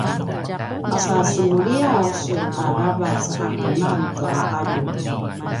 masa semuliyaw sun aravac a keman tua alju?